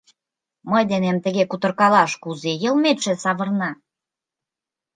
Мый денем тыге кутыркалаш, кузе йылметше савырна?